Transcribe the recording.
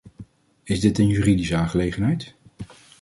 Is dit een juridische aangelegenheid?